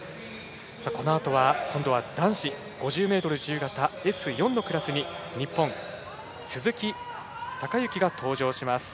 このあとは男子５０ｍ自由形Ｓ４のクラスに日本、鈴木孝幸が登場します。